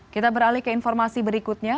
kita beralih ke informasi berikutnya